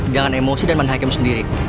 jangan emosi dan menhakim sendiri